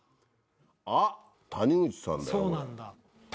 あっ谷口さんだよ。